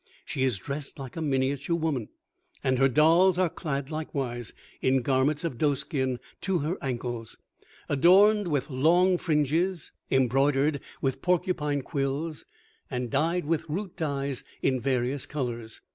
She is dressed like a miniature woman (and her dolls are clad likewise), in garments of doeskin to her ankles, adorned with long fringes, embroidered with porcupine quills, and dyed with root dyes in various colors.